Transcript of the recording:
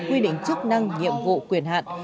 quy định chức năng nhiệm vụ quyền hạn